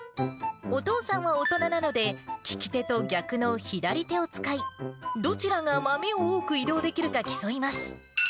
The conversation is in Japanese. お父さんは大人なので利き手と逆の左手を使い、どちらが豆を多く移動できるか競います。